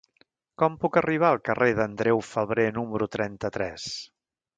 Com puc arribar al carrer d'Andreu Febrer número trenta-tres?